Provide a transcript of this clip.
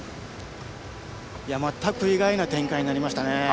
全く意外な展開になりましたね。